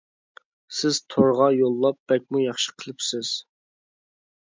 سىز تورغا يوللاپ بەكلا ياخشى قىلىپسىز.